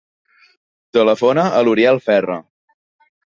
Telefona a l'Uriel Ferra.